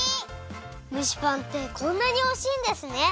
蒸しパンってこんなにおいしいんですね！